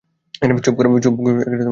চুপ কর, লুইস!